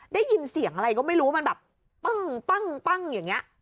ได้ยินเสียงอะไรก็ไม่รู้มันแบบปั้งอย่างนี้